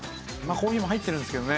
コーヒーも入ってるんですけどね。